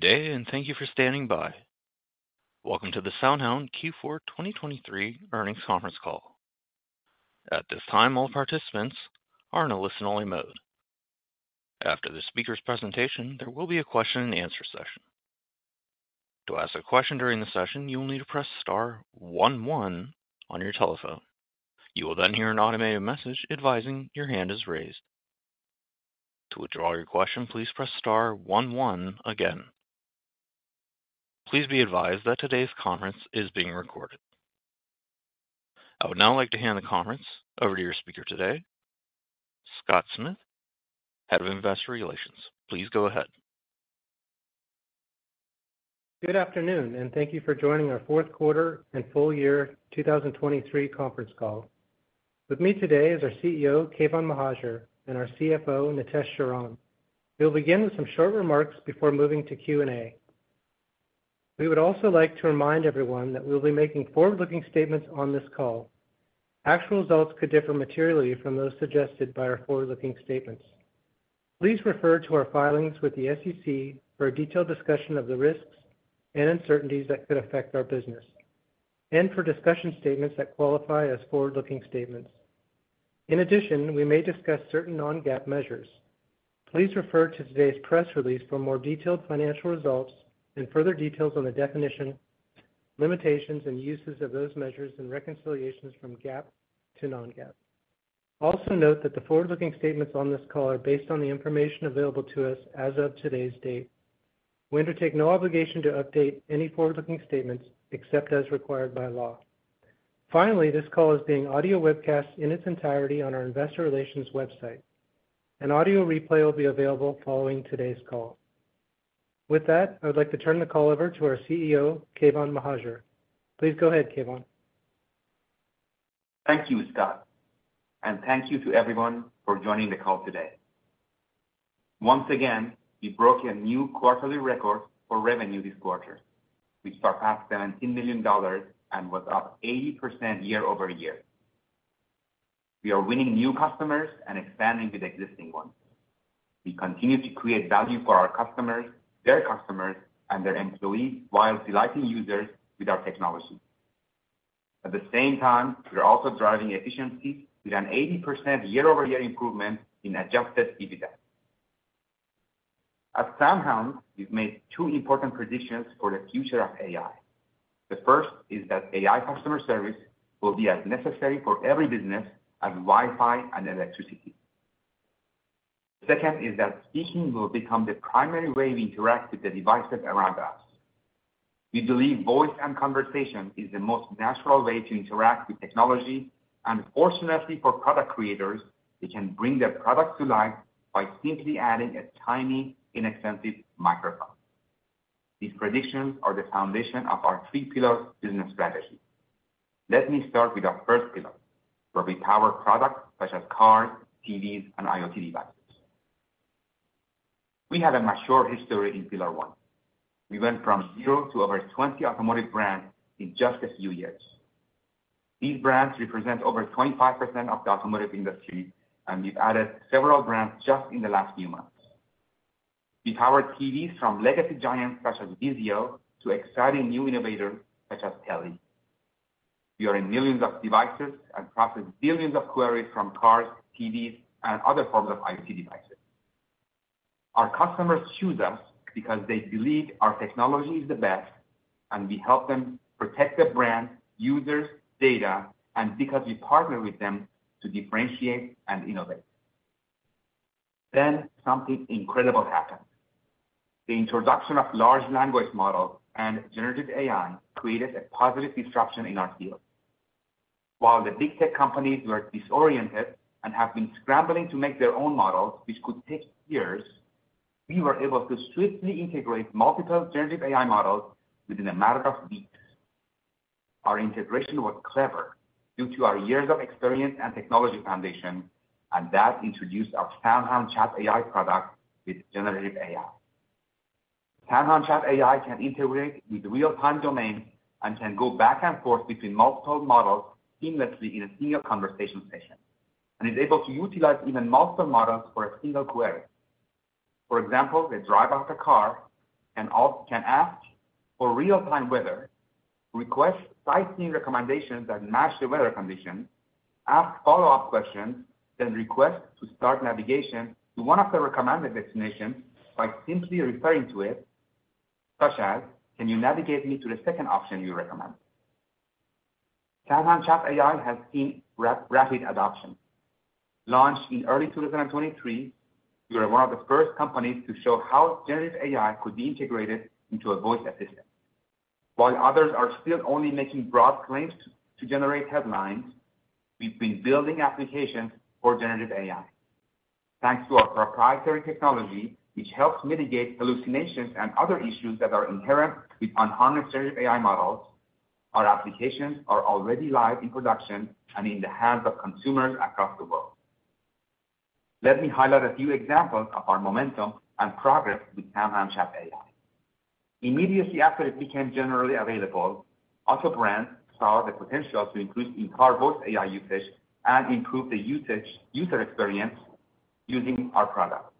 Good day and thank you for standing by. Welcome to the SoundHound Q4 2023 earnings conference call. At this time, all participants are in a listen-only mode. After the speaker's presentation, there will be a question-and-answer session. To ask a question during the session, you will need to press *11 on your telephone. You will then hear an automated message advising your hand is raised. To withdraw your question, please press *11 again. Please be advised that today's conference is being recorded. I would now like to hand the conference over to your speaker today, Scott Smith, Head of Investor Relations. Please go ahead. Good afternoon and thank you for joining our Q4 and full year 2023 conference call. With me today is our CEO, Keyvan Mohajer, and our CFO, Nitesh Sharan. We'll begin with some short remarks before moving to Q&A. We would also like to remind everyone that we'll be making forward-looking statements on this call. Actual results could differ materially from those suggested by our forward-looking statements. Please refer to our filings with the SEC for a detailed discussion of the risks and uncertainties that could affect our business, and for discussion statements that qualify as forward-looking statements. In addition, we may discuss certain non-GAAP measures. Please refer to today's press release for more detailed financial results and further details on the definition, limitations, and uses of those measures in reconciliations from GAAP to non-GAAP. Also note that the forward-looking statements on this call are based on the information available to us as of today's date. We undertake no obligation to update any forward-looking statements except as required by law. Finally, this call is being audio webcast in its entirety on our Investor Relations website, and audio replay will be available following today's call. With that, I would like to turn the call over to our CEO, Keyvan Mohajer. Please go ahead, Keyvan. Thank you, Scott, and thank you to everyone for joining the call today. Once again, we broke a new quarterly record for revenue this quarter, which surpassed $17 million and was up 80% year-over-year. We are winning new customers and expanding with existing ones. We continue to create value for our customers, their customers, and their employees while delighting users with our technology. At the same time, we're also driving efficiencies with an 80% year-over-year improvement in Adjusted EBITDA. At SoundHound, we've made two important predictions for the future of AI. The first is that AI customer service will be as necessary for every business as Wi-Fi and electricity. The second is that speaking will become the primary way we interact with the devices around us. We believe voice and conversation is the most natural way to interact with technology, and fortunately for product creators, they can bring their products to life by simply adding a tiny, inexpensive microphone. These predictions are the foundation of our three-pillar business strategy. Let me start with our first pillar, where we power products such as cars, TVs, and IoT devices. We have a mature history in pillar one. We went from zero to over 20 automotive brands in just a few years. These brands represent over 25% of the automotive industry, and we've added several brands just in the last few months. We power TVs from legacy giants such as Vizio to exciting new innovators such as Telly. We are in millions of devices and process billions of queries from cars, TVs, and other forms of IoT devices. Our customers choose us because they believe our technology is the best, and we help them protect their brands, users, data, and because we partner with them to differentiate and innovate. Then something incredible happened. The introduction of large language models and generative AI created a positive disruption in our field. While the big tech companies were disoriented and have been scrambling to make their own models, which could take years, we were able to swiftly integrate multiple generative AI models within a matter of weeks. Our integration was clever due to our years of experience and technology foundation, and that introduced our SoundHound Chat AI product with generative AI. SoundHound Chat AI can integrate with real-time domains and can go back and forth between multiple models seamlessly in a single conversation session, and is able to utilize even multiple models for a single query. For example, they drive out a car, can ask for real-time weather, request sightseeing recommendations that match the weather conditions, ask follow-up questions, then request to start navigation to one of the recommended destinations by simply referring to it, such as, "Can you navigate me to the second option you recommend?" SoundHound Chat AI has seen rapid adoption. Launched in early 2023, we were one of the first companies to show how generative AI could be integrated into a voice assistant. While others are still only making broad claims to generate headlines, we've been building applications for generative AI. Thanks to our proprietary technology, which helps mitigate hallucinations and other issues that are inherent with unharnessed generative AI models, our applications are already live in production and in the hands of consumers across the world. Let me highlight a few examples of our momentum and progress with SoundHound Chat AI. Immediately after it became generally available, auto brands saw the potential to increase in-car voice AI usage and improve the user experience using our product.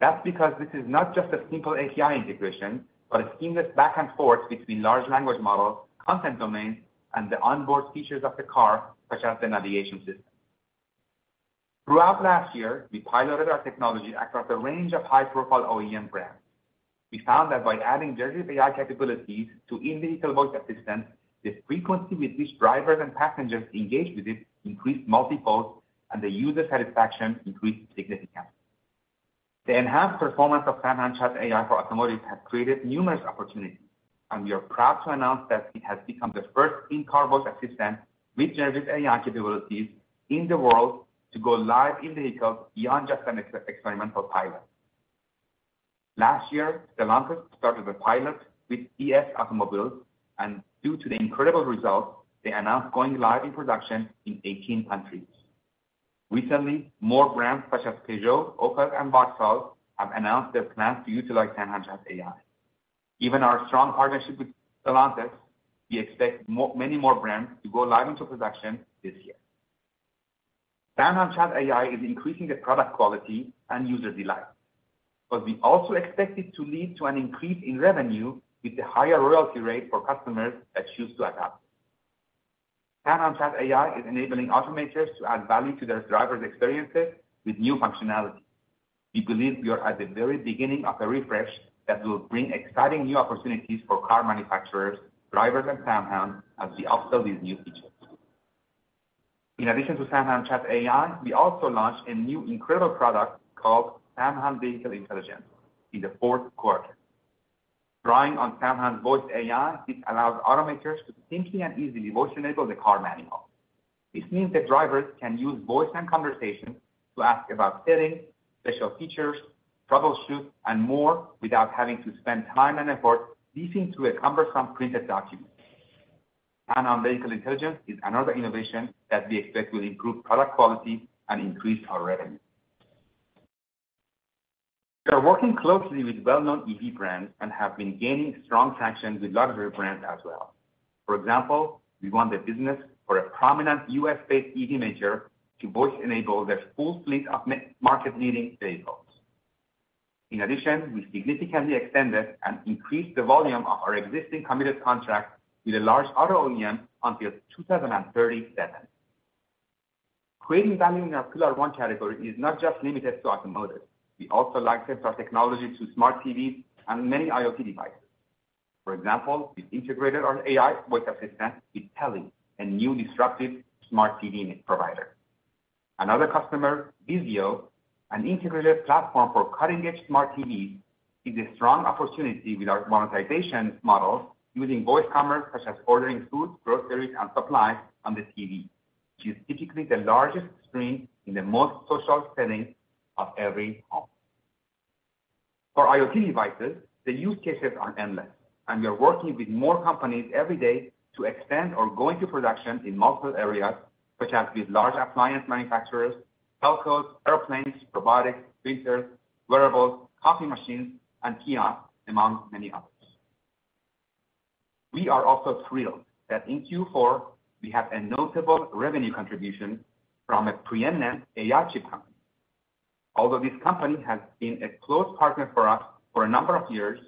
That's because this is not just a simple API integration, but a seamless back and forth between large language models, content domains, and the onboard features of the car, such as the navigation system. Throughout last year, we piloted our technology across a range of high-profile OEM brands. We found that by adding generative AI capabilities to in-vehicle voice assistants, the frequency with which drivers and passengers engage with it increased multiple, and the user satisfaction increased significantly. The enhanced performance of SoundHound Chat AI for automotive has created numerous opportunities, and we are proud to announce that it has become the first in-car voice assistant with generative AI capabilities in the world to go live in vehicles beyond just an experimental pilot. Last year, Stellantis started the pilot with DS Automobiles, and due to the incredible results, they announced going live in production in 18 countries. Recently, more brands such as Peugeot, Opel, and Vauxhall have announced their plans to utilize SoundHound Chat AI. Even our strong partnership with Stellantis, we expect many more brands to go live into production this year. SoundHound Chat AI is increasing the product quality and user delight, but we also expect it to lead to an increase in revenue with the higher royalty rate for customers that choose to adopt it. SoundHound Chat AI is enabling automakers to add value to their drivers' experiences with new functionality. We believe we are at the very beginning of a refresh that will bring exciting new opportunities for car manufacturers, drivers, and SoundHound as we upsell these new features. In addition to SoundHound Chat AI, we also launched a new incredible product called SoundHound Vehicle Intelligence in the Q4. Drawing on SoundHound's voice AI, this allows automakers to simply and easily voice-enable the car manual. This means that drivers can use voice and conversation to ask about settings, special features, troubleshoot, and more without having to spend time and effort leafing through a cumbersome printed document. SoundHound Vehicle Intelligence is another innovation that we expect will improve product quality and increase our revenue. We are working closely with well-known EV brands and have been gaining strong traction with luxury brands as well. For example, we won the business for a prominent U.S.-based EV major to voice-enable their full fleet of market-leading vehicles. In addition, we significantly extended and increased the volume of our existing committed contracts with a large auto OEM until 2037. Creating value in our pillar one category is not just limited to automotive. We also license our technology to smart TVs and many IoT devices. For example, we've integrated our AI voice assistant with Telly, a new disruptive smart TV provider. Another customer, Vizio, an integrated platform for cutting-edge smart TVs, is a strong opportunity with our monetization models using voice commerce such as ordering food, groceries, and supplies on the TV, which is typically the largest screen in the most social setting of every home. For IoT devices, the use cases are endless, and we are working with more companies every day to extend or go into production in multiple areas, such as with large appliance manufacturers, telcos, airplanes, robotics, printers, wearables, coffee machines, and kiosks, among many others. We are also thrilled that in Q4, we have a notable revenue contribution from a preeminent AI chip company. Although this company has been a close partner for us for a number of years,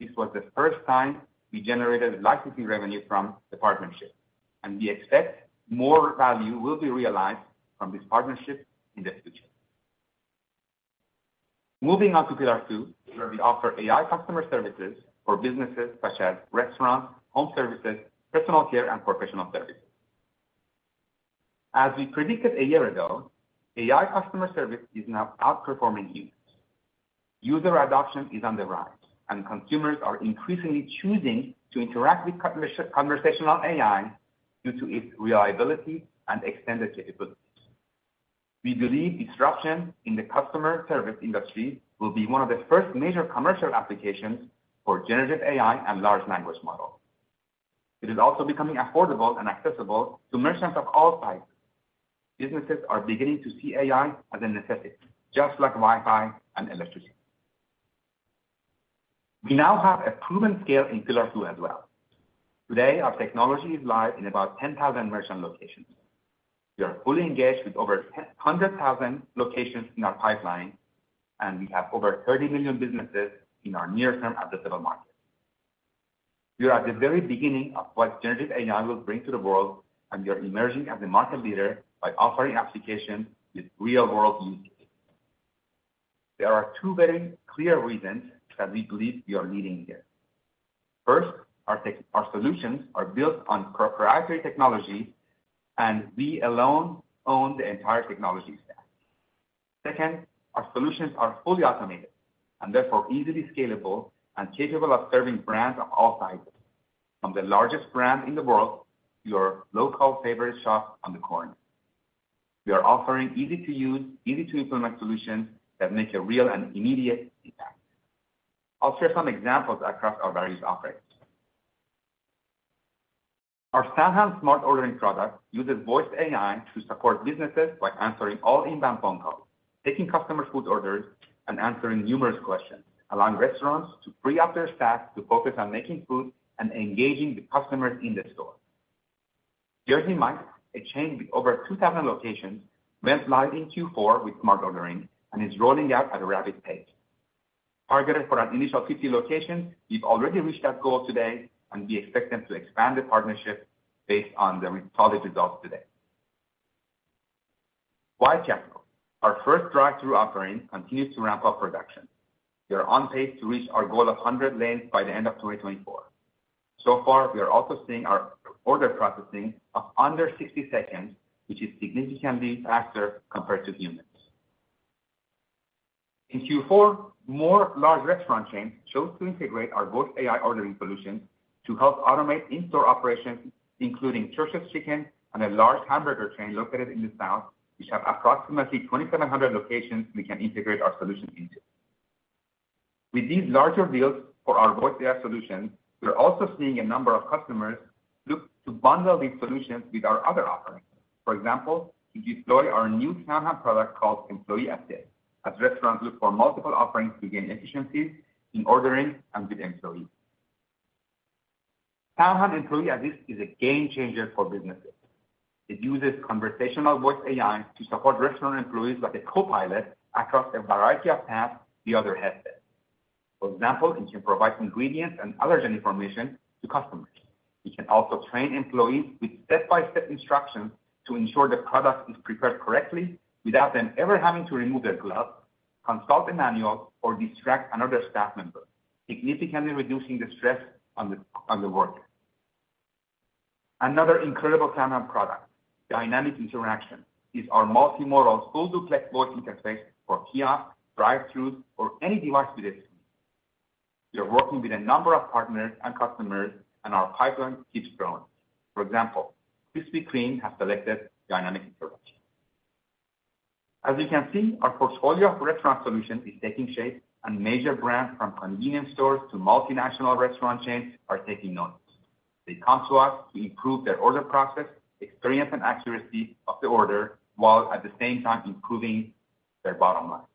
this was the first time we generated licensing revenue from the partnership, and we expect more value will be realized from this partnership in the future. Moving on to pillar two, where we offer AI customer services for businesses such as restaurants, home services, personal care, and professional services. As we predicted a year ago, AI customer service is now outperforming users. User adoption is on the rise, and consumers are increasingly choosing to interact with conversational AI due to its reliability and extended capabilities. We believe disruption in the customer service industry will be one of the first major commercial applications for generative AI and large language models. It is also becoming affordable and accessible to merchants of all types. Businesses are beginning to see AI as a necessity, just like Wi-Fi and electricity. We now have a proven scale in pillar two as well. Today, our technology is live in about 10,000 merchant locations. We are fully engaged with over 100,000 locations in our pipeline, and we have over 30 million businesses in our near-term adaptable market. We are at the very beginning of what Generative AI will bring to the world, and we are emerging as a market leader by offering applications with real-world use cases. There are two very clear reasons that we believe we are leading there. First, our solutions are built on proprietary technology, and we alone own the entire technology stack. Second, our solutions are fully automated and therefore easily scalable and capable of serving brands of all sizes, from the largest brand in the world to your local favorite shop on the corner. We are offering easy-to-use, easy-to-implement solutions that make a real and immediate impact. I'll share some examples across our various offerings. Our SoundHound Smart Ordering product uses voice AI to support businesses by answering all inbound phone calls, taking customers' food orders, and answering numerous questions, allowing restaurants to free up their staff to focus on making food and engaging the customers in the store. Jersey Mike's, a chain with over 2,000 locations, went live in Q4 with Smart Ordering and is rolling out at a rapid pace. Targeted for our initial 50 locations, we've already reached that goal today, and we expect them to expand the partnership based on the solid results today. White Castle, our first drive-thru offering, continues to ramp up production. We are on pace to reach our goal of 100 lanes by the end of 2024. So far, we are also seeing our order processing of under 60 seconds, which is significantly faster compared to humans. In Q4, more large restaurant chains chose to integrate our voice AI ordering solutions to help automate in-store operations, including Church's Chicken and a large hamburger chain located in the south, which have approximately 2,700 locations we can integrate our solution into. With these larger deals for our voice AI solutions, we are also seeing a number of customers look to bundle these solutions with our other offerings. For example, we deploy our new SoundHound product called Employee Assist, as restaurants look for multiple offerings to gain efficiencies in ordering and with employees. SoundHound Employee Assist is a game changer for businesses. It uses conversational voice AI to support restaurant employees like a co-pilot across a variety of tasks the other has done. For example, it can provide ingredients and allergen information to customers. It can also train employees with step-by-step instructions to ensure the product is prepared correctly without them ever having to remove their gloves, consult a manual, or distract another staff member, significantly reducing the stress on the worker. Another incredible SoundHound product, Dynamic Interaction, is our multimodal full-duplex voice interface for kiosks, drive-thrus, or any device with a screen. We are working with a number of partners and customers, and our pipeline keeps growing. For example, Krispy Kreme has selected Dynamic Interaction. As you can see, our portfolio of restaurant solutions is taking shape, and major brands from convenience stores to multinational restaurant chains are taking notice. They come to us to improve their order process, experience, and accuracy of the order while, at the same time, improving their bottom line.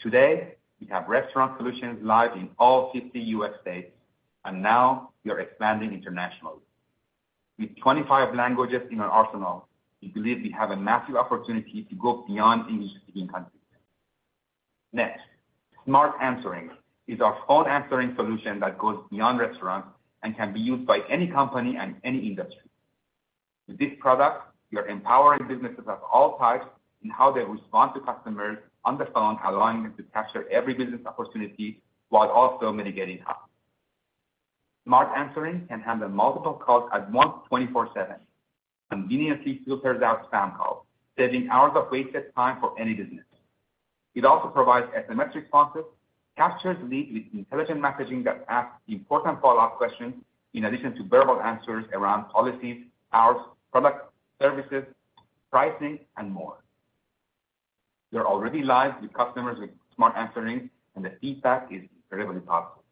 Today, we have restaurant solutions live in all 50 U.S. states, and now we are expanding internationally. With 25 languages in our arsenal, we believe we have a massive opportunity to go beyond English-speaking countries. Next, Smart Answering is our phone answering solution that goes beyond restaurants and can be used by any company and any industry. With this product, we are empowering businesses of all types in how they respond to customers on the phone, allowing them to capture every business opportunity while also mitigating costs. Smart Answering can handle multiple calls at once 24/7, conveniently filters out spam calls, saving hours of wasted time for any business. It also provides SMS responses, captures leads with intelligent messaging that asks important follow-up questions, in addition to verbal answers around policies, hours, product services, pricing, and more. We are already live with customers with Smart Answering, and the feedback is incredibly positive.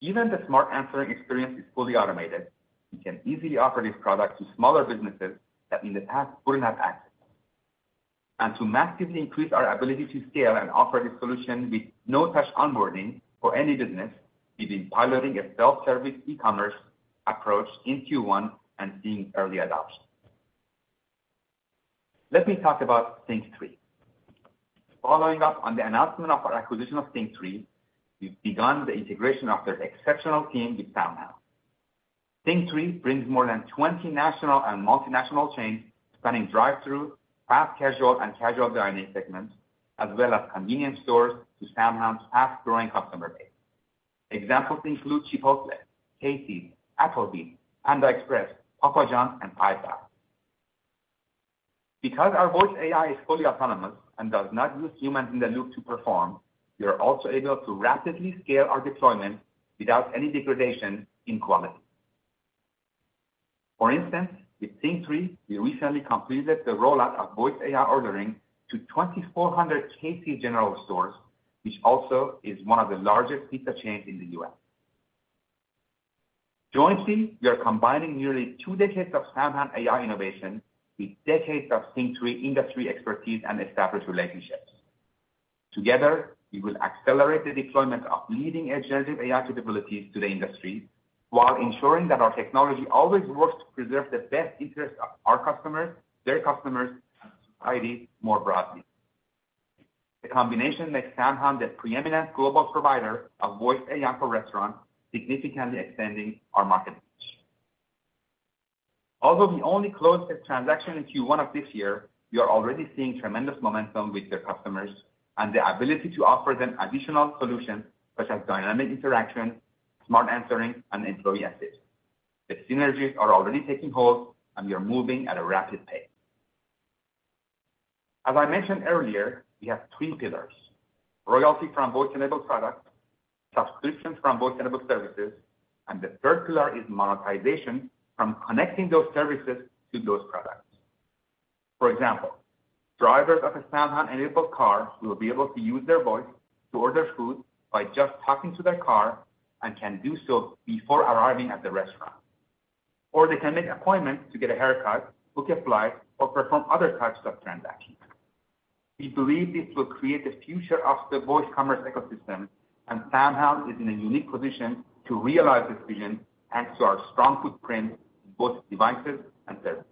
Even the Smart Answering experience is fully automated. We can easily offer this product to smaller businesses that in the past wouldn't have access, and to massively increase our ability to scale and offer this solution with no-touch onboarding for any business, we've been piloting a self-service e-commerce approach in Q1 and seeing early adoption. Let me talk about SYNQ3. Following up on the announcement of our acquisition of SYNQ3, we've begun the integration of their exceptional team with SoundHound. SYNQ3 brings more than 20 national and multinational chains spanning drive-thru, fast casual, and casual dining segments, as well as convenience stores to SoundHound's fast-growing customer base. Examples include Chipotle, KFC, Applebee's, Panda Express, Papa John's, and Five Guys. Because our voice AI is fully autonomous and does not use humans in the loop to perform, we are also able to rapidly scale our deployment without any degradation in quality. For instance, with SYNQ3, we recently completed the rollout of voice AI ordering to 2,400 Casey's General Stores, which also is one of the largest pizza chains in the U.S. Jointly, we are combining nearly two decades of SoundHound AI innovation with decades of SYNQ3 industry expertise and established relationships. Together, we will accelerate the deployment of leading-edge generative AI capabilities to the industry while ensuring that our technology always works to preserve the best interests of our customers, their customers, and society more broadly. The combination makes SoundHound the preeminent global provider of voice AI for restaurants, significantly extending our market reach. Although we only closed a transaction in Q1 of this year, we are already seeing tremendous momentum with their customers and the ability to offer them additional solutions such as Dynamic Interaction, Smart Answering, and Employee Assist. The synergies are already taking hold, and we are moving at a rapid pace. As I mentioned earlier, we have three pillars: royalty from voice-enabled products, subscriptions from voice-enabled services, and the third pillar is monetization from connecting those services to those products. For example, drivers of a SoundHound-enabled car will be able to use their voice to order food by just talking to their car and can do so before arriving at the restaurant, or they can make appointments to get a haircut, book a flight, or perform other types of transactions. We believe this will create the future of the voice commerce ecosystem, and SoundHound is in a unique position to realize this vision thanks to our strong footprint in both devices and services.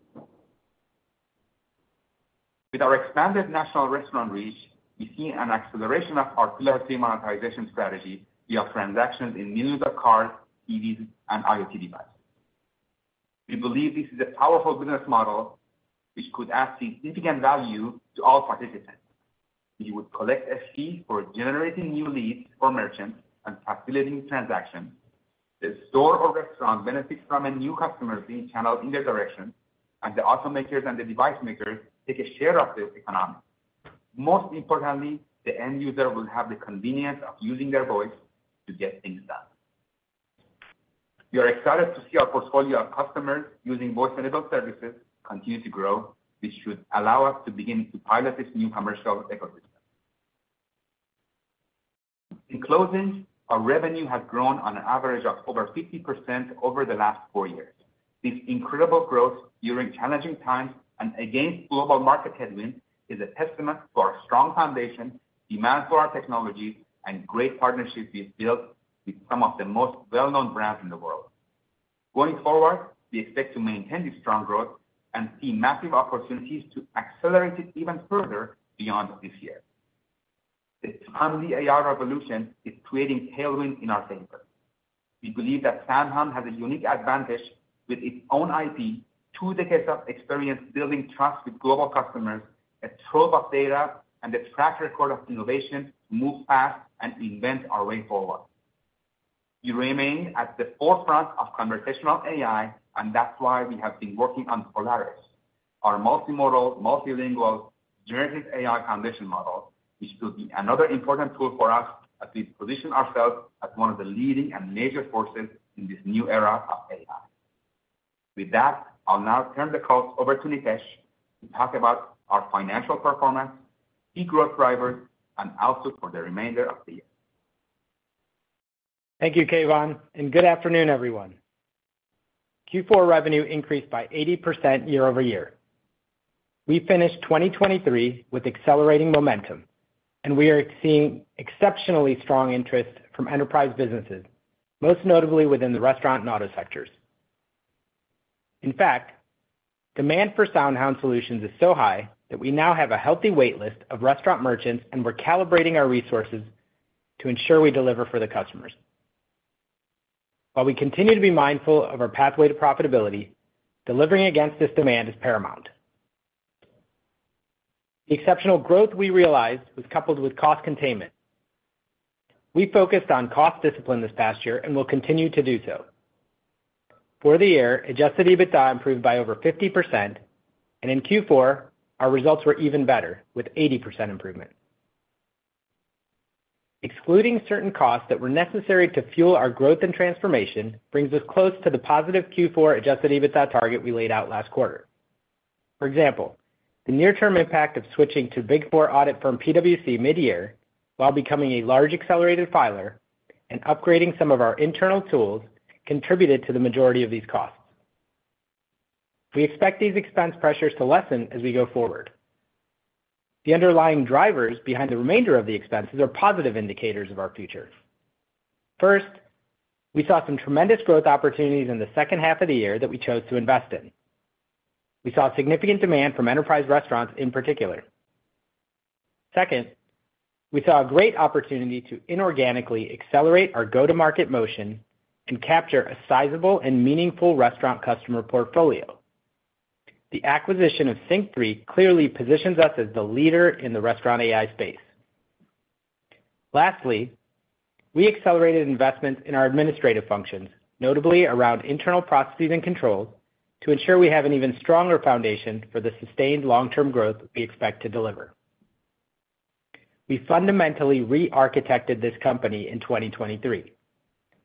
With our expanded national restaurant reach, we see an acceleration of our pillar three monetization strategy via transactions in millions of cars, EVs, and IoT devices. We believe this is a powerful business model which could add significant value to all participants. We would collect a fee for generating new leads for merchants and facilitating transactions. The store or restaurant benefits from new customers being channeled in their direction, and the automakers and the device makers take a share of the economics. Most importantly, the end user will have the convenience of using their voice to get things done. We are excited to see our portfolio of customers using voice-enabled services continue to grow, which should allow us to begin to pilot this new commercial ecosystem. In closing, our revenue has grown on an average of over 50% over the last four years. This incredible growth during challenging times and against global market headwinds is a testament to our strong foundation, demand for our technologies, and great partnerships we've built with some of the most well-known brands in the world. Going forward, we expect to maintain this strong growth and see massive opportunities to accelerate it even further beyond this year. The timely AI revolution is creating tailwind in our favor. We believe that SoundHound has a unique advantage with its own IP, two decades of experience building trust with global customers, a trove of data, and a track record of innovation to move fast and invent our way forward. We remain at the forefront of conversational AI, and that's why we have been working on Polaris, our multimodal, multilingual generative AI foundation model, which will be another important tool for us as we position ourselves as one of the leading and major forces in this new era of AI. With that, I'll now turn the call over to Nitesh to talk about our financial performance, key growth drivers, and outlook for the remainder of the year. Thank you, Keyvan, and good afternoon, everyone. Q4 revenue increased by 80% year-over-year. We finished 2023 with accelerating momentum, and we are seeing exceptionally strong interest from enterprise businesses, most notably within the restaurant and auto sectors. In fact, demand for SoundHound solutions is so high that we now have a healthy waitlist of restaurant merchants, and we're calibrating our resources to ensure we deliver for the customers. While we continue to be mindful of our pathway to profitability, delivering against this demand is paramount. The exceptional growth we realized was coupled with cost containment. We focused on cost discipline this past year and will continue to do so. For the year, Adjusted EBITDA improved by over 50%, and in Q4, our results were even better with 80% improvement. Excluding certain costs that were necessary to fuel our growth and transformation brings us close to the positive Q4 Adjusted EBITDA target we laid out last quarter. For example, the near-term impact of switching to Big Four audit firm PwC mid-year while becoming a large accelerated filer and upgrading some of our internal tools contributed to the majority of these costs. We expect these expense pressures to lessen as we go forward. The underlying drivers behind the remainder of the expenses are positive indicators of our future. First, we saw some tremendous growth opportunities in the second half of the year that we chose to invest in. We saw significant demand from enterprise restaurants in particular. Second, we saw a great opportunity to inorganically accelerate our go-to-market motion and capture a sizable and meaningful restaurant customer portfolio. The acquisition of SYNQ3 clearly positions us as the leader in the restaurant AI space. Lastly, we accelerated investments in our administrative functions, notably around internal processes and controls, to ensure we have an even stronger foundation for the sustained long-term growth we expect to deliver. We fundamentally re-architected this company in 2023.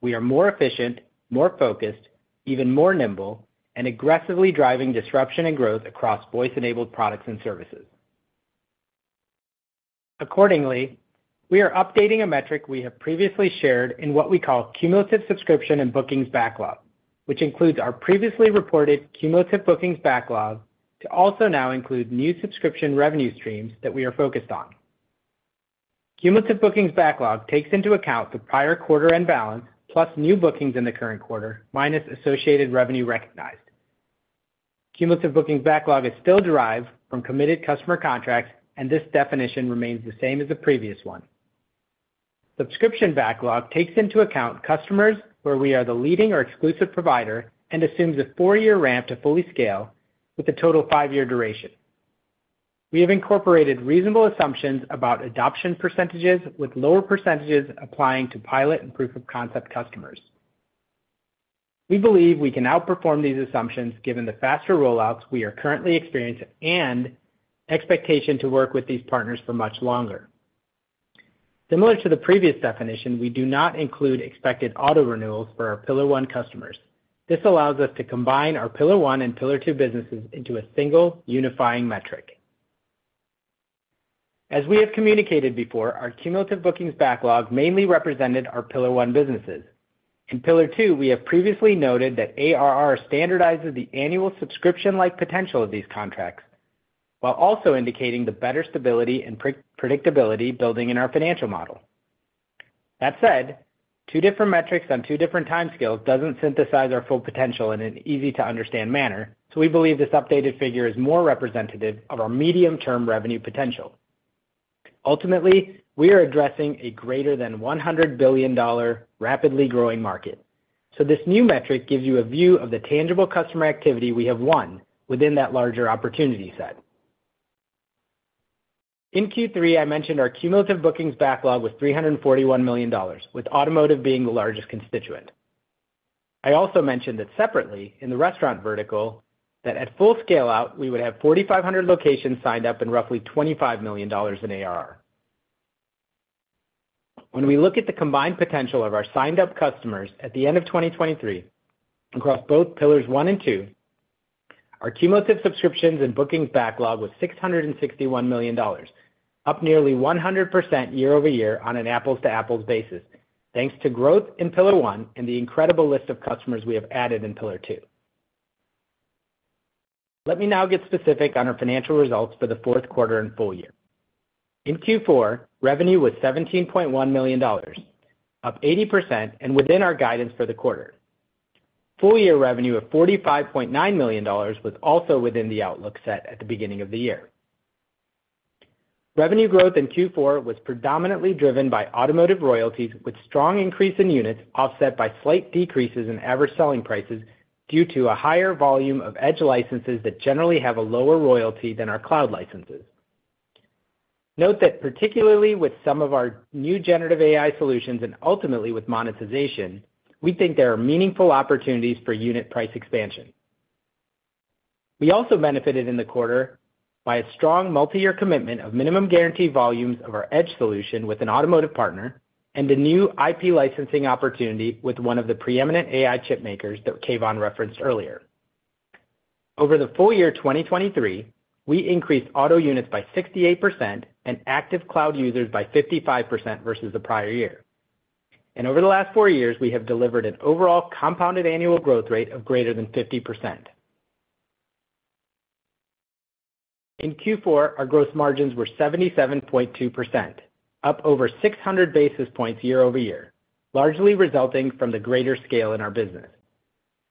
We are more efficient, more focused, even more nimble, and aggressively driving disruption and growth across voice-enabled products and services. Accordingly, we are updating a metric we have previously shared in what we call Cumulative Subscriptions and Bookings Backlog, which includes our previously reported cumulative bookings backlog to also now include new subscription revenue streams that we are focused on. Cumulative bookings backlog takes into account the prior quarter end balance plus new bookings in the current quarter minus associated revenue recognized. Cumulative bookings backlog is still derived from committed customer contracts, and this definition remains the same as the previous one. Subscription backlog takes into account customers where we are the leading or exclusive provider and assumes a four-year ramp to fully scale with a total five-year duration. We have incorporated reasonable assumptions about adoption percentages with lower percentages applying to pilot and proof of concept customers. We believe we can outperform these assumptions given the faster rollouts we are currently experiencing and expectation to work with these partners for much longer. Similar to the previous definition, we do not include expected auto renewals for our pillar one customers. This allows us to combine our pillar one and pillar two businesses into a single unifying metric. As we have communicated before, our cumulative bookings backlog mainly represented our pillar one businesses. In pillar two, we have previously noted that ARR standardizes the annual subscription-like potential of these contracts while also indicating the better stability and predictability building in our financial model. That said, two different metrics on two different time scales doesn't synthesize our full potential in an easy-to-understand manner, so we believe this updated figure is more representative of our medium-term revenue potential. Ultimately, we are addressing a greater than $100 billion rapidly growing market, so this new metric gives you a view of the tangible customer activity we have won within that larger opportunity set. In Q3, I mentioned our cumulative bookings backlog was $341 million, with automotive being the largest constituent. I also mentioned that separately in the restaurant vertical that at full scale-out, we would have 4,500 locations signed up and roughly $25 million in ARR. When we look at the combined potential of our signed-up customers at the end of 2023 across both pillars one and two, our cumulative subscriptions and bookings backlog was $661 million, up nearly 100% year-over-year on an apples-to-apples basis thanks to growth in pillar one and the incredible list of customers we have added in pillar two. Let me now get specific on our financial results for the Q4 and full year. In Q4, revenue was $17.1 million, up 80% and within our guidance for the quarter. Full-year revenue of $45.9 million was also within the outlook set at the beginning of the year. Revenue growth in Q4 was predominantly driven by automotive royalties with strong increase in units offset by slight decreases in average selling prices due to a higher volume of Edge licenses that generally have a lower royalty than our cloud licenses. Note that particularly with some of our new generative AI solutions and ultimately with monetization, we think there are meaningful opportunities for unit price expansion. We also benefited in the quarter by a strong multi-year commitment of minimum guarantee volumes of our edge solution with an automotive partner and a new IP licensing opportunity with one of the preeminent AI chip makers that Keyvan referenced earlier. Over the full year 2023, we increased auto units by 68% and active cloud users by 55% versus the prior year. Over the last four years, we have delivered an overall compounded annual growth rate of greater than 50%. In Q4, our gross margins were 77.2%, up over 600 basis points year-over-year, largely resulting from the greater scale in our business.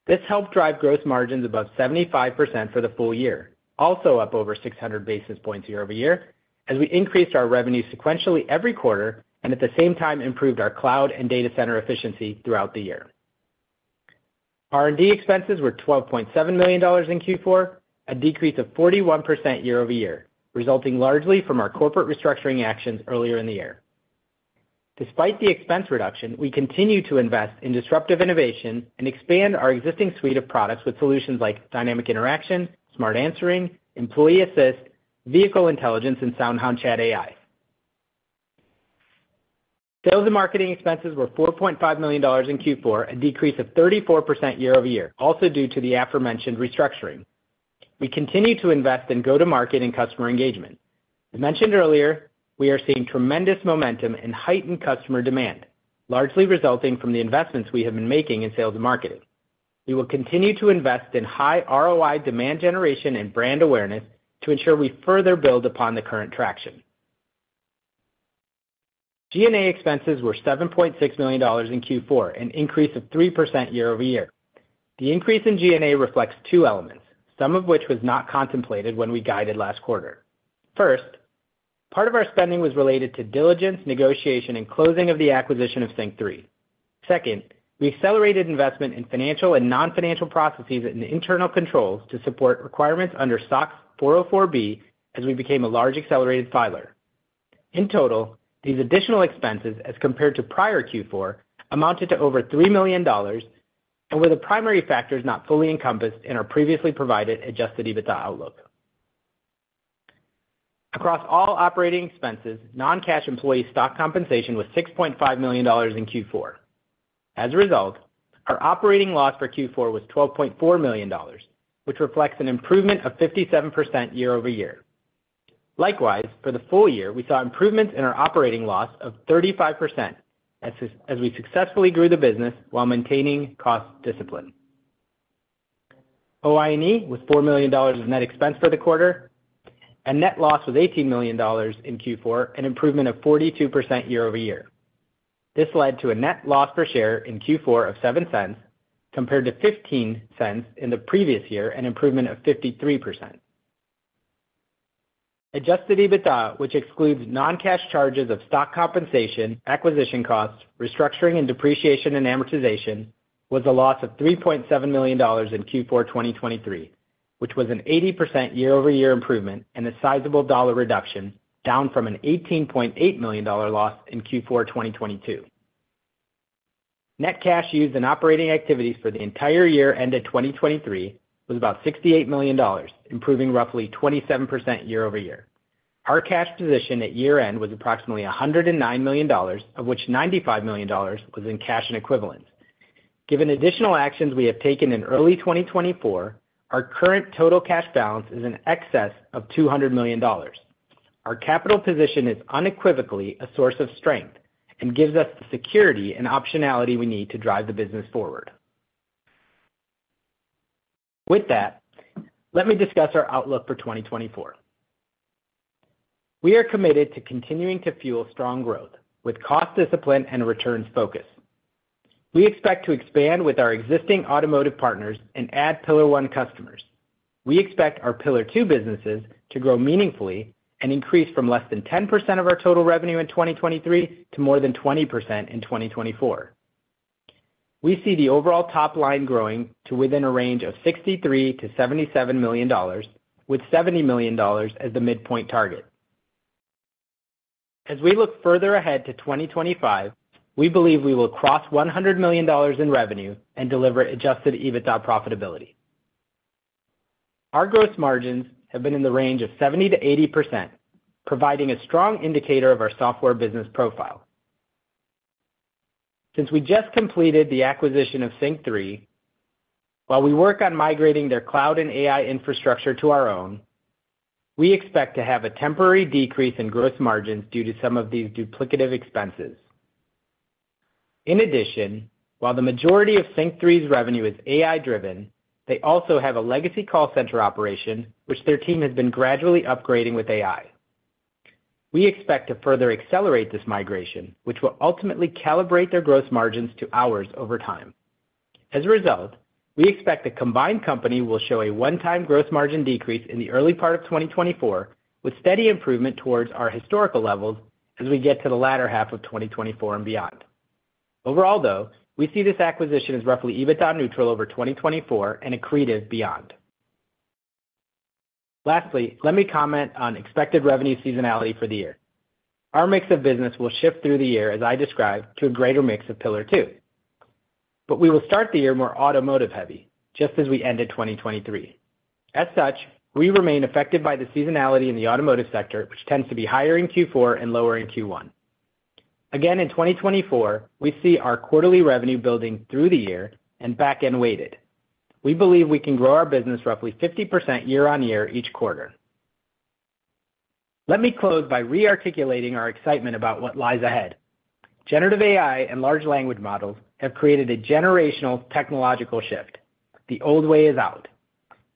This helped drive gross margins above 75% for the full year, also up over 600 basis points year-over-year as we increased our revenue sequentially every quarter and at the same time improved our cloud and data center efficiency throughout the year. R&D expenses were $12.7 million in Q4, a decrease of 41% year-over-year, resulting largely from our corporate restructuring actions earlier in the year. Despite the expense reduction, we continue to invest in disruptive innovation and expand our existing suite of products with solutions like Dynamic Interaction, Smart Answering, Employee Assist, Vehicle Intelligence, and SoundHound Chat AI. Sales and marketing expenses were $4.5 million in Q4, a decrease of 34% year-over-year, also due to the aforementioned restructuring. We continue to invest in go-to-market and customer engagement. As mentioned earlier, we are seeing tremendous momentum and heightened customer demand, largely resulting from the investments we have been making in sales and marketing. We will continue to invest in high ROI demand generation and brand awareness to ensure we further build upon the current traction. G&A expenses were $7.6 million in Q4, an increase of 3% year-over-year. The increase in G&A reflects two elements, some of which was not contemplated when we guided last quarter. First, part of our spending was related to diligence, negotiation, and closing of the acquisition of SYNQ3. Second, we accelerated investment in financial and non-financial processes and internal controls to support requirements under SOX 404B as we became a large accelerated filer. In total, these additional expenses as compared to prior Q4 amounted to over $3 million and were the primary factors not fully encompassed in our previously provided Adjusted EBITDA outlook. Across all operating expenses, non-cash employee stock compensation was $6.5 million in Q4. As a result, our operating loss for Q4 was $12.4 million, which reflects an improvement of 57% year-over-year. Likewise, for the full year, we saw improvements in our operating loss of 35% as we successfully grew the business while maintaining cost discipline. OI&E was $4 million of net expense for the quarter, and net loss was $18 million in Q4, an improvement of 42% year-over-year. This led to a net loss per share in Q4 of $0.07 compared to $0.15 in the previous year and improvement of 53%. Adjusted EBITDA, which excludes non-cash charges of stock compensation, acquisition costs, restructuring and depreciation and amortization, was a loss of $3.7 million in Q4 2023, which was an 80% year-over-year improvement and a sizable dollar reduction down from an $18.8 million loss in Q4 2022. Net cash used in operating activities for the entire year ended 2023 was about $68 million, improving roughly 27% year-over-year. Our cash position at year end was approximately $109 million, of which $95 million was in cash and equivalents. Given additional actions we have taken in early 2024, our current total cash balance is in excess of $200 million. Our capital position is unequivocally a source of strength and gives us the security and optionality we need to drive the business forward. With that, let me discuss our outlook for 2024. We are committed to continuing to fuel strong growth with cost discipline and returns focus. We expect to expand with our existing automotive partners and add pillar one customers. We expect our pillar two businesses to grow meaningfully and increase from less than 10% of our total revenue in 2023 to more than 20% in 2024. We see the overall top line growing to within a range of $63-$77 million, with $70 million as the midpoint target. As we look further ahead to 2025, we believe we will cross $100 million in revenue and deliver adjusted EBITDA profitability. Our gross margins have been in the range of 70%-80%, providing a strong indicator of our software business profile. Since we just completed the acquisition of SYNQ3, while we work on migrating their cloud and AI infrastructure to our own, we expect to have a temporary decrease in gross margins due to some of these duplicative expenses. In addition, while the majority of SYNQ3's revenue is AI-driven, they also have a legacy call center operation, which their team has been gradually upgrading with AI. We expect to further accelerate this migration, which will ultimately calibrate their gross margins to ours over time. As a result, we expect the combined company will show a one-time gross margin decrease in the early part of 2024 with steady improvement towards our historical levels as we get to the latter half of 2024 and beyond. Overall, though, we see this acquisition as roughly EBITDA neutral over 2024 and accretive beyond. Lastly, let me comment on expected revenue seasonality for the year. Our mix of business will shift through the year, as I described, to a greater mix of pillar two. But we will start the year more automotive-heavy just as we ended 2023. As such, we remain affected by the seasonality in the automotive sector, which tends to be higher in Q4 and lower in Q1. Again, in 2024, we see our quarterly revenue building through the year and back-end weighted. We believe we can grow our business roughly 50% year-over-year each quarter. Let me close by re-articulating our excitement about what lies ahead. Generative AI and large language models have created a generational technological shift. The old way is out.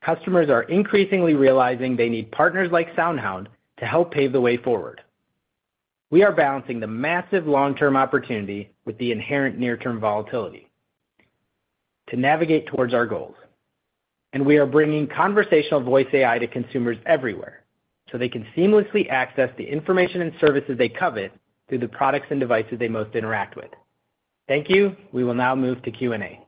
Customers are increasingly realizing they need partners like SoundHound to help pave the way forward. We are balancing the massive long-term opportunity with the inherent near-term volatility to navigate towards our goals. We are bringing conversational voice AI to consumers everywhere so they can seamlessly access the information and services they covet through the products and devices they most interact with. Thank you. We will now move to Q&A.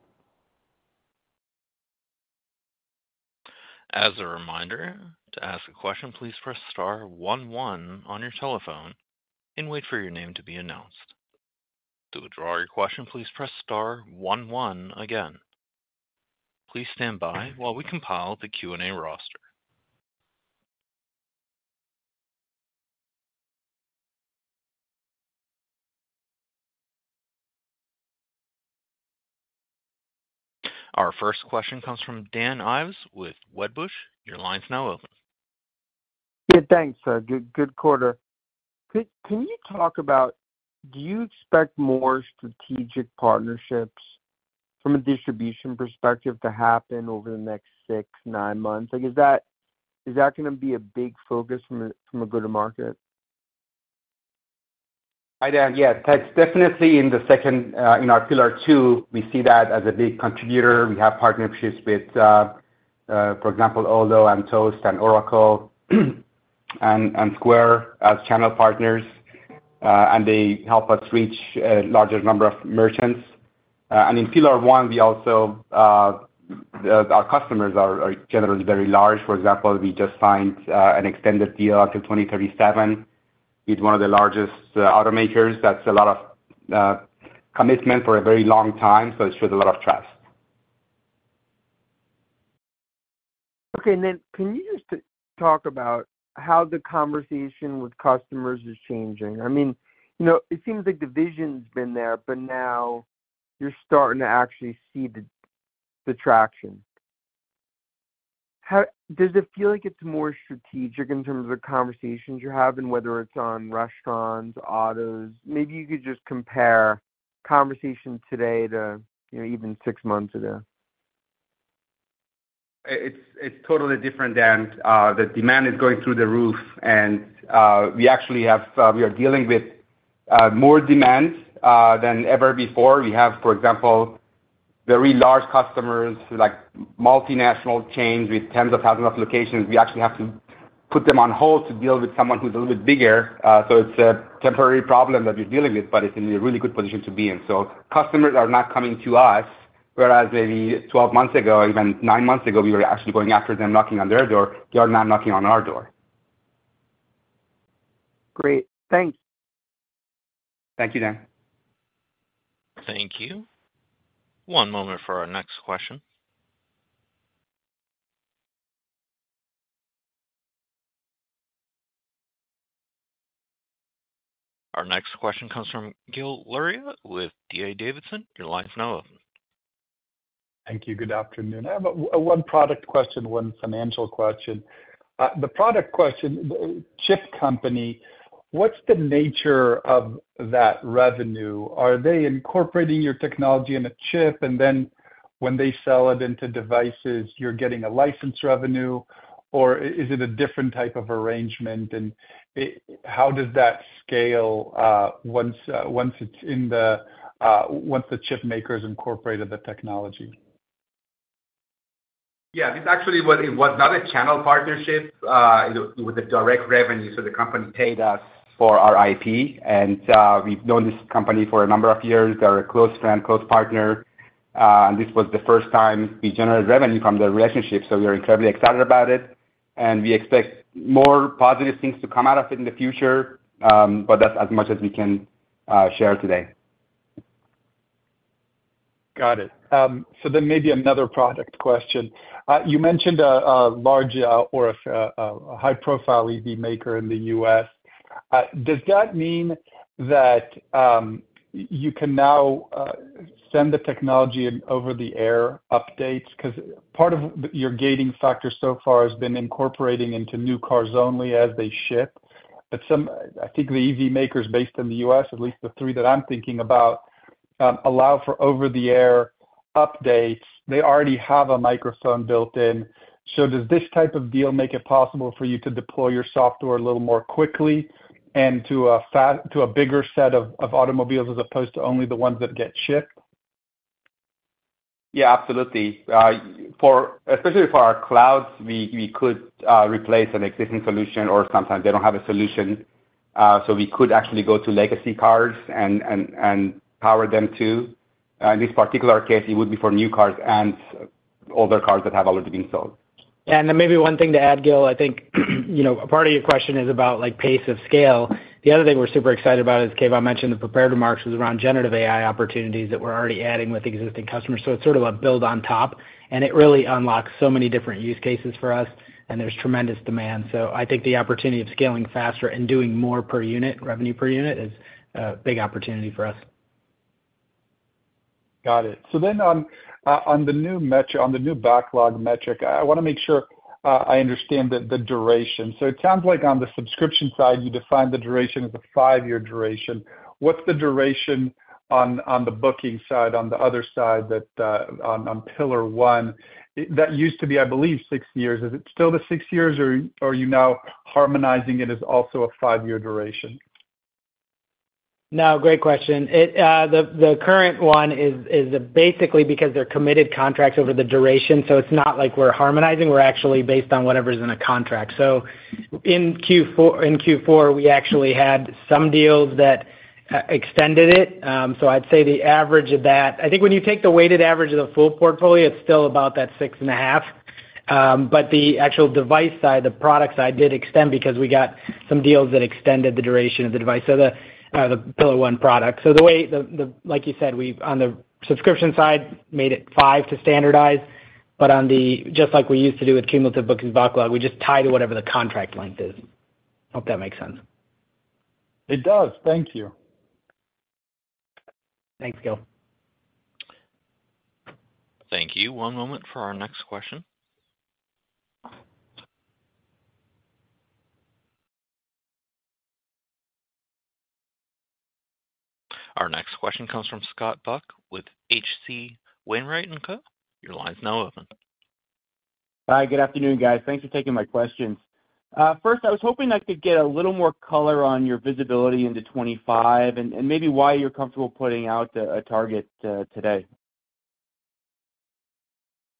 As a reminder, to ask a question, please press star 11 on your telephone and wait for your name to be announced. To withdraw your question, please press star 11 again. Please stand by while we compile the Q&A roster. Our first question comes from Dan Ives with Wedbush. Your line's now open. Yeah, thanks. Good quarter. Can you talk about do you expect more strategic partnerships from a distribution perspective to happen over the next six, nine months? Is that going to be a big focus from a go-to-market? Hi, Dan. Yeah, that's definitely in the second in our pillar two, we see that as a big contributor. We have partnerships with, for example, Olo and Toast and Oracle and Square as channel partners, and they help us reach a larger number of merchants. In pillar one, we also our customers are generally very large. For example, we just signed an extended deal until 2037 with one of the largest automakers. That's a lot of commitment for a very long time, so it shows a lot of trust. Okay. Then can you just talk about how the conversation with customers is changing? I mean, it seems like the vision's been there, but now you're starting to actually see the traction. Does it feel like it's more strategic in terms of the conversations you have and whether it's on restaurants, autos? Maybe you could just compare conversation today to even six months ago. It's totally different, Dan. The demand is going through the roof, and we actually have, we are dealing with more demand than ever before. We have, for example, very large customers, multinational chains with tens of thousands of locations. We actually have to put them on hold to deal with someone who's a little bit bigger. So it's a temporary problem that we're dealing with, but it's in a really good position to be in. So customers are not coming to us, whereas maybe 12 months ago, even nine months ago, we were actually going after them, knocking on their door. They are now knocking on our door. Great. Thanks. Thank you, Dan. Thank you. One moment for our next question. Our next question comes from Gil Luria with DA Davidson. Your line's now open. Thank you. Good afternoon. I have one product question, one financial question. The product question, chip company, what's the nature of that revenue? Are they incorporating your technology in a chip, and then when they sell it into devices, you're getting a license revenue? Or is it a different type of arrangement? And how does that scale once it's in the chip makers incorporated the technology? Yeah, this actually was not a channel partnership. It was a direct revenue. So the company paid us for our IP, and we've known this company for a number of years. They're a close friend, close partner. And this was the first time we generated revenue from their relationship, so we are incredibly excited about it. And we expect more positive things to come out of it in the future, but that's as much as we can share today. Got it. So then maybe another product question. You mentioned a large or a high-profile EV maker in the U.S. Does that mean that you can now send the technology and over-the-air updates? Because part of your gating factor so far has been incorporating into new cars only as they ship. But I think the EV makers based in the U.S., at least the three that I'm thinking about, allow for over-the-air updates. They already have a microphone built in. So does this type of deal make it possible for you to deploy your software a little more quickly and to a bigger set of automobiles as opposed to only the ones that get shipped? Yeah, absolutely. Especially for our clouds, we could replace an existing solution, or sometimes they don't have a solution. So we could actually go to legacy cars and power them too. In this particular case, it would be for new cars and older cars that have already been sold. Yeah. And then maybe one thing to add, Gil. I think part of your question is about pace of scale. The other thing we're super excited about is, Kev, I mentioned the preparatory remarks was around Generative AI opportunities that we're already adding with existing customers. So it's sort of a build on top, and it really unlocks so many different use cases for us, and there's tremendous demand. So I think the opportunity of scaling faster and doing more per unit, revenue per unit, is a big opportunity for us. Got it. So then on the new backlog metric, I want to make sure I understand the duration. So it sounds like on the subscription side, you define the duration as a five-year duration. What's the duration on the booking side, on the other side, on pillar one? That used to be, I believe, 6 years. Is it still the 6 years, or are you now harmonizing it as also a 5-year duration? No, great question. The current one is basically because they're committed contracts over the duration, so it's not like we're harmonizing. We're actually based on whatever's in a contract. So in Q4, we actually had some deals that extended it. So I'd say the average of that I think when you take the weighted average of the full portfolio, it's still about that 6.5. But the actual device side, the product side, did extend because we got some deals that extended the duration of the device, so the pillar one product. So the way, like you said, on the subscription side, made it five to standardize. But just like we used to do with cumulative bookings backlog, we just tie to whatever the contract length is. I hope that makes sense. It does. Thank you. Thanks, Gil. Thank you. One moment for our next question. Our next question comes from Scott Buck with H.C. Wainwright & Co. Your line's now open. Hi. Good afternoon, guys. Thanks for taking my questions. First, I was hoping I could get a little more color on your visibility into 2025 and maybe why you're comfortable putting out a target today.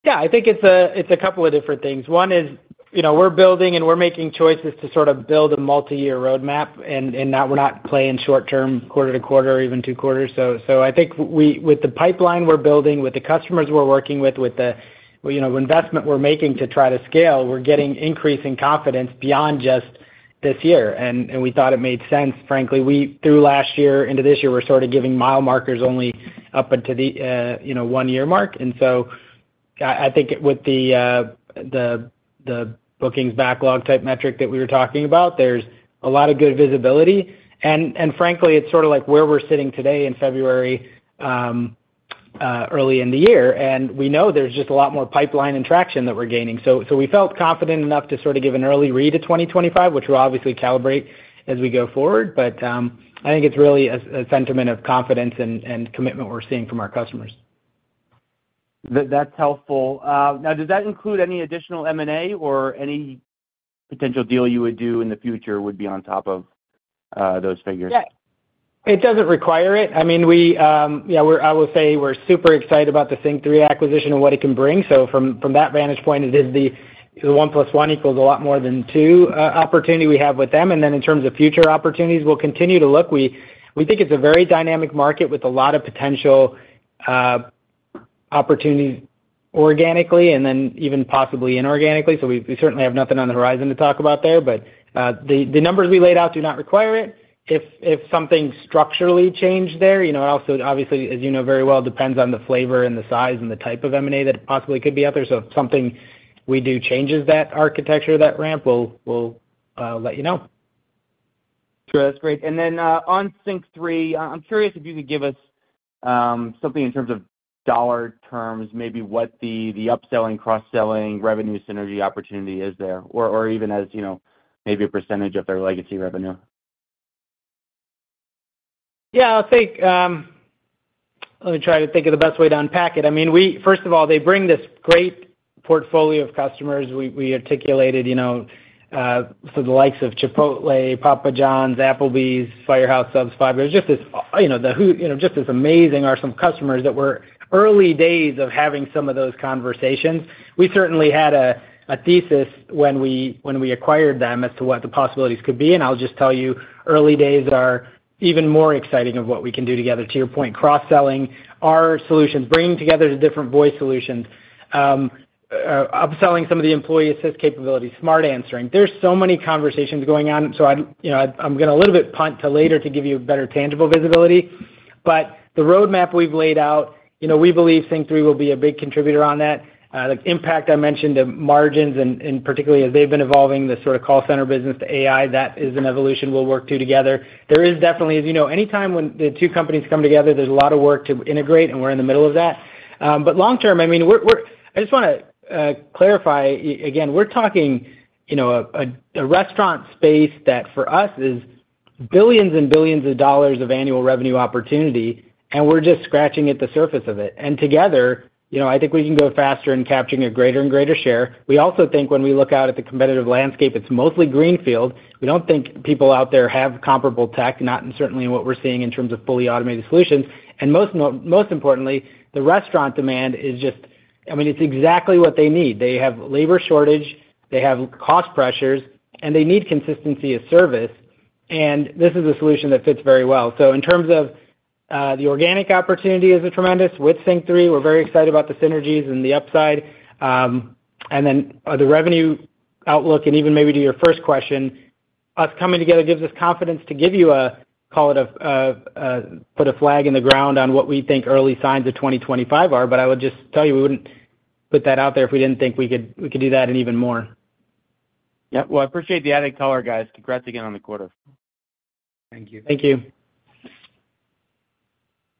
Yeah. I think it's a couple of different things. One is we're building, and we're making choices to sort of build a multi-year roadmap, and we're not playing short-term, quarter to quarter, even two quarters. So I think with the pipeline we're building, with the customers we're working with, with the investment we're making to try to scale, we're getting increasing confidence beyond just this year. And we thought it made sense. Frankly, through last year into this year, we're sort of giving mile markers only up until the one-year mark. And so I think with the bookings backlog type metric that we were talking about, there's a lot of good visibility. And frankly, it's sort of like where we're sitting today in February, early in the year. And we know there's just a lot more pipeline and traction that we're gaining. So we felt confident enough to sort of give an early read to 2025, which we'll obviously calibrate as we go forward. But I think it's really a sentiment of confidence and commitment we're seeing from our customers. That's helpful. Now, does that include any additional M&A or any potential deal you would do in the future would be on top of those figures? Yeah. It doesn't require it. I mean, yeah, I will say we're super excited about the SYNQ3 acquisition and what it can bring. So from that vantage point, it is the one plus one equals a lot more than two opportunity we have with them. And then in terms of future opportunities, we'll continue to look. We think it's a very dynamic market with a lot of potential opportunities organically and then even possibly inorganically. So we certainly have nothing on the horizon to talk about there. But the numbers we laid out do not require it. If something structurally changed there, it also, obviously, as you know very well, depends on the flavor and the size and the type of M&A that possibly could be out there. So if something we do changes that architecture, that ramp, we'll let you know. Sure. That's great. And then on SYNQ3, I'm curious if you could give us something in terms of dollar terms, maybe what the upselling, cross-selling, revenue synergy opportunity is there, or even as maybe a percentage of their legacy revenue. Yeah. Let me try to think of the best way to unpack it. I mean, first of all, they bring this great portfolio of customers. We articulated so the likes of Chipotle, Papa John's, Applebee's, Firehouse Subs, Five Guys, just this the who just as amazing are some customers that were early days of having some of those conversations. We certainly had a thesis when we acquired them as to what the possibilities could be. And I'll just tell you, early days are even more exciting of what we can do together. To your point, cross-selling, our solutions, bringing together the different voice solutions, upselling some of the Employee Assist capabilities, Smart Answering. There's so many conversations going on. So I'm going to a little bit punt to later to give you better tangible visibility. But the roadmap we've laid out, we believe SYNQ3 will be a big contributor on that. The impact I mentioned, the margins, and particularly as they've been evolving, the sort of call center business to AI, that is an evolution we'll work through together. There is definitely, as you know, anytime when the two companies come together, there's a lot of work to integrate, and we're in the middle of that. But long term, I mean, we're—I just want to clarify. Again, we're talking a restaurant space that, for us, is billions and billions of dollars of annual revenue opportunity, and we're just scratching at the surface of it. And together, I think we can go faster in capturing a greater and greater share. We also think when we look out at the competitive landscape, it's mostly greenfield. We don't think people out there have comparable tech, not certainly in what we're seeing in terms of fully automated solutions. And most importantly, the restaurant demand is just—I mean, it's exactly what they need. They have labor shortage. They have cost pressures, and they need consistency of service. And this is a solution that fits very well. So in terms of the organic opportunity is tremendous. With SYNQ3, we're very excited about the synergies and the upside. Then the revenue outlook, and even maybe to your first question, us coming together gives us confidence to give you a call it a put a flag in the ground on what we think early signs of 2025 are. But I would just tell you, we wouldn't put that out there if we didn't think we could do that and even more. Yep. Well, I appreciate the added color, guys. Congrats again on the quarter. Thank you. Thank you. Thank you.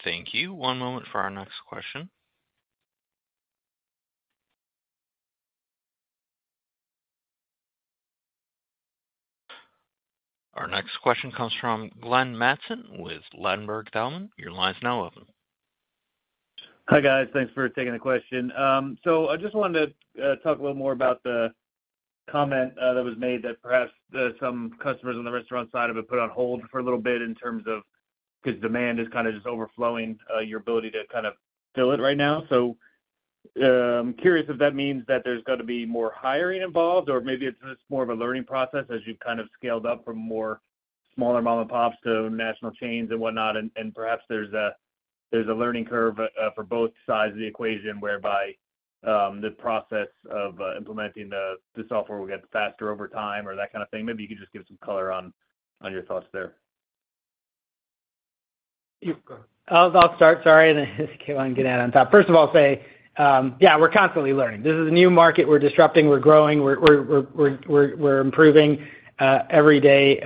One moment for our next question. Our next question comes from Glenn Mattson with Ladenburg Thalmann. Your line's now open. Hi, guys. Thanks for taking the question. So I just wanted to talk a little more about the comment that was made that perhaps some customers on the restaurant side have put on hold for a little bit in terms of because demand is kind of just overflowing your ability to kind of fill it right now. So I'm curious if that means that there's going to be more hiring involved, or maybe it's just more of a learning process as you've kind of scaled up from more smaller mom-and-pops to national chains and whatnot. Perhaps there's a learning curve for both sides of the equation whereby the process of implementing the software will get faster over time or that kind of thing. Maybe you could just give some color on your thoughts there. You go ahead. I'll start. Sorry. And then Kev, I'm getting out on top. First of all, say, "Yeah, we're constantly learning. This is a new market. We're disrupting. We're growing. We're improving every day."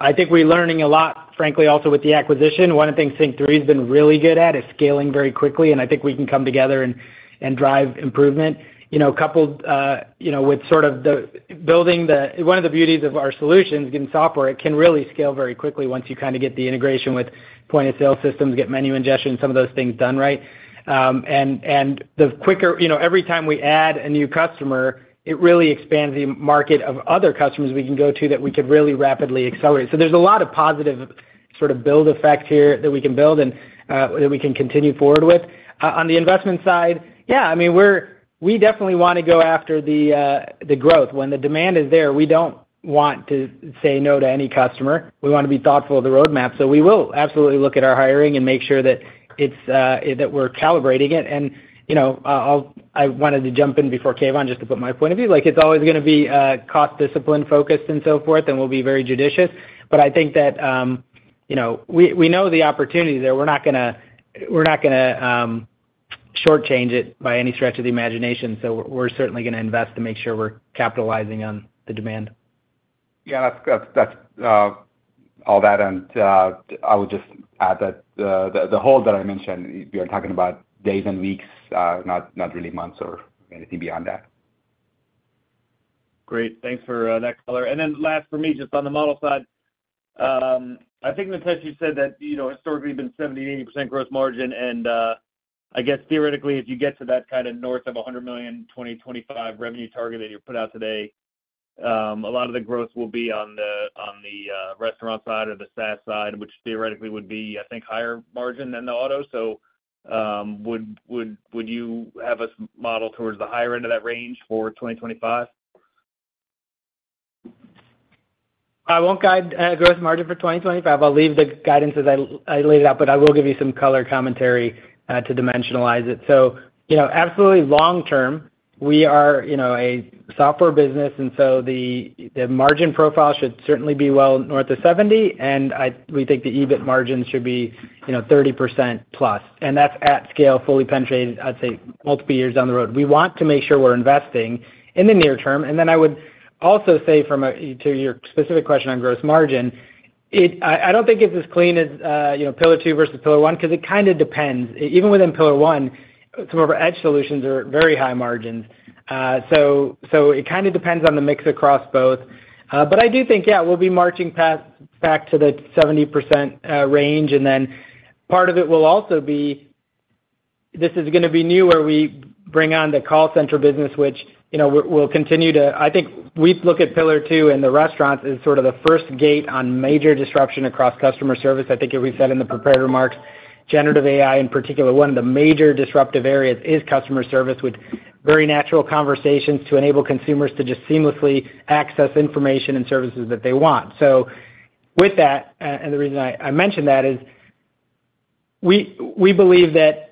I think we're learning a lot, frankly, also with the acquisition. One of the things SYNQ3 has been really good at is scaling very quickly. I think we can come together and drive improvement coupled with sort of the building the one of the beauties of our solutions, getting software, it can really scale very quickly once you kind of get the integration with point-of-sale systems, get menu ingestion, some of those things done right. The quicker every time we add a new customer, it really expands the market of other customers we can go to that we could really rapidly accelerate. So there's a lot of positive sort of build effect here that we can build and that we can continue forward with. On the investment side, yeah, I mean, we definitely want to go after the growth. When the demand is there, we don't want to say no to any customer. We want to be thoughtful of the roadmap. So we will absolutely look at our hiring and make sure that we're calibrating it. And I wanted to jump in before Kev, just to put my point of view. It's always going to be cost discipline-focused and so forth, and we'll be very judicious. But I think that we know the opportunity there. We're not going to shortchange it by any stretch of the imagination. So we're certainly going to invest to make sure we're capitalizing on the demand. Yeah. That's all that. And I would just add that the hold that I mentioned, we are talking about days and weeks, not really months or anything beyond that. Great. Thanks for that color. And then last for me, just on the model side, I think, Nitesh, you said that historically, it's been 70%-80% gross margin. And I guess theoretically, if you get to that kind of north of $100 million 2025 revenue target that you're put out today, a lot of the growth will be on the restaurant side or the SaaS side, which theoretically would be, I think, higher margin than the auto. So would you have us model towards the higher end of that range for 2025? I won't guide gross margin for 2025. I'll leave the guidance as I laid it out, but I will give you some color commentary to dimensionalize it. So absolutely, long term, we are a software business, and so the margin profile should certainly be well north of 70. And we think the EBIT margin should be 30%+. That's at scale, fully penetrated, I'd say, multiple years down the road. We want to make sure we're investing in the near term. Then I would also say, to your specific question on gross margin, I don't think it's as clean as pillar two versus pillar one because it kind of depends. Even within pillar one, some of our edge solutions are very high margins. So it kind of depends on the mix across both. But I do think, yeah, we'll be marching back to the 70% range. Then part of it will also be this is going to be new where we bring on the call center business, which we'll continue to I think we look at pillar two and the restaurants as sort of the first gate on major disruption across customer service. I think it was said in the prepared remarks. Generative AI, in particular, one of the major disruptive areas is customer service with very natural conversations to enable consumers to just seamlessly access information and services that they want. So with that, and the reason I mentioned that is we believe that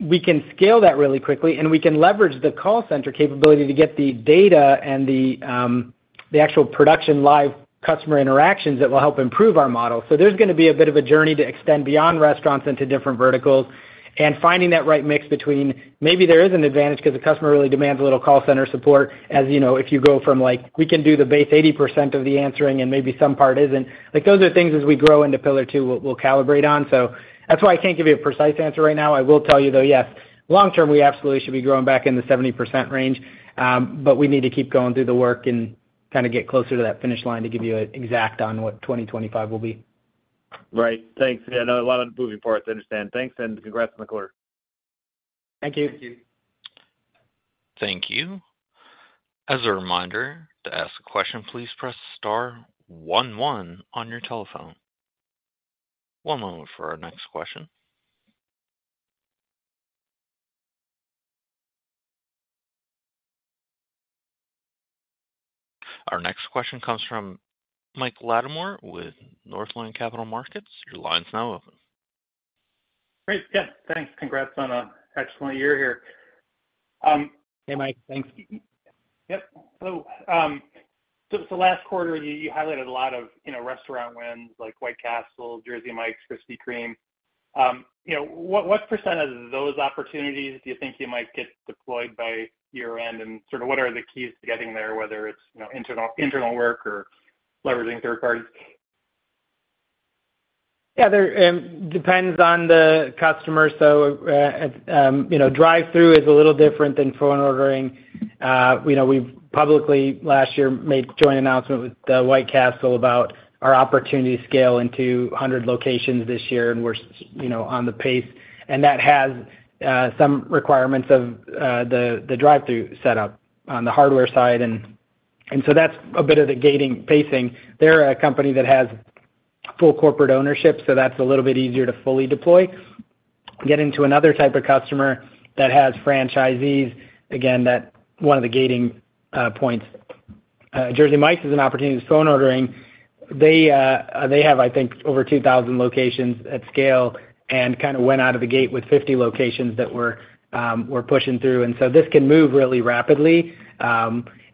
we can scale that really quickly, and we can leverage the call center capability to get the data and the actual production live customer interactions that will help improve our model. So there's going to be a bit of a journey to extend beyond restaurants into different verticals and finding that right mix between maybe there is an advantage because the customer really demands a little call center support as if you go from like, "We can do the base 80% of the answering, and maybe some part isn't." Those are things, as we grow into pillar two, we'll calibrate on. So that's why I can't give you a precise answer right now. I will tell you, though, yes, long term, we absolutely should be growing back in the 70% range. But we need to keep going through the work and kind of get closer to that finish line to give you an exact on what 2025 will be. Right. Thanks. Yeah. I know a lot of moving parts to understand. Thanks, and congrats on the quarter. Thank you. Thank you. Thank you. As a reminder to ask a question, please press star 11 on your telephone. One moment for our next question. Our next question comes from Mike Latimore with Northland Capital Markets. Your line's now open. Great. Yep. Thanks. Congrats on an excellent year here. Hey, Mike. Thanks. Yep. So last quarter, you highlighted a lot of restaurant wins like White Castle, Jersey Mike's, Krispy Kreme. What % of those opportunities do you think you might get deployed by year-end? And sort of what are the keys to getting there, whether it's internal work or leveraging third parties? Yeah. It depends on the customer. So drive-through is a little different than phone ordering. We've publicly, last year, made a joint announcement with White Castle about our opportunity to scale into 100 locations this year, and we're on the pace. And that has some requirements of the drive-through setup on the hardware side. And so that's a bit of the gating pacing. They're a company that has full corporate ownership, so that's a little bit easier to fully deploy. Getting to another type of customer that has franchisees, again, that's one of the gating points. Jersey Mike's is an opportunity with phone ordering. They have, I think, over 2,000 locations at scale and kind of went out of the gate with 50 locations that we're pushing through. And so this can move really rapidly.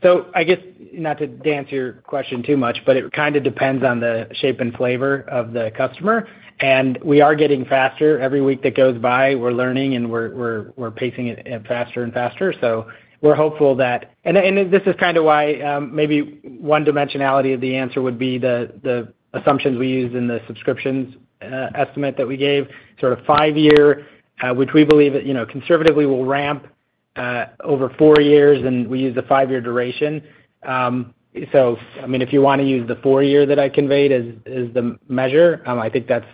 So I guess not to dodge your question too much, but it kind of depends on the shape and flavor of the customer. And we are getting faster. Every week that goes by, we're learning, and we're pacing it faster and faster. So we're hopeful that and this is kind of why maybe one dimension of the answer would be the assumptions we used in the subscriptions estimate that we gave, sort of 5-year, which we believe that conservatively will ramp over 4 years. And we use the 5-year duration. So I mean, if you want to use the 4-year that I conveyed as the measure, I think that's